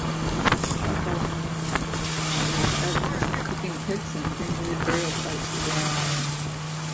Charcoal remains show evidence of cooking pits and cremated burial sites within the island.